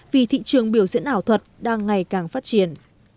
vì thị trường biểu diễn ảo thuật đang ngày càng phát triển